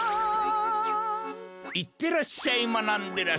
いってらっしゃいまなんでらっしゃい。